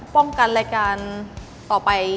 ป้องกันรายการต่อไป